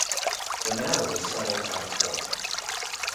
The matter was settled out of court.